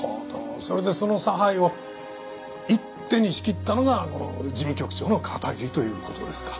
それでその差配を一手に仕切ったのがこの事務局長の片桐という事ですか。